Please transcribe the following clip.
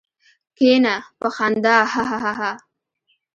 کېنه! په خندا هههه.